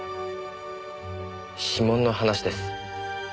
指紋の話です。